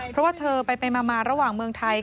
เพราะว่าเธอไปมาระหว่างเมืองไทย